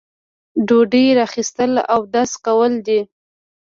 ډوډۍ را اخیستل او اودس کول دي.